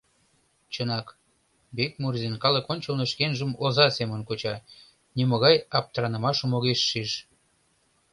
Чынак, Бикмурзин калык ончылно шкенжым оза семын куча, нимогай аптранымашым огеш шиж.